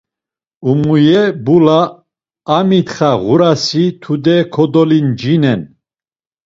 Umuye bula amitxa ğurasi tude kodolincinen.